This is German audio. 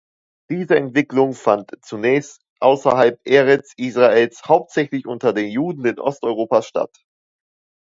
Diese Entwicklung fand zunächst außerhalb Eretz Israels, hauptsächlich unter den Juden in Osteuropa, statt.